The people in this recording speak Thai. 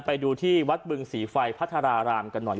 ไปดูที่วัดบึงศรีไฟพัทรารามกันหน่อย